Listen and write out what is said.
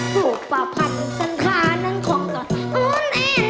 ผู้ประพันธ์สัญคานั้นของตอนอุ้นแอ้นอ่อน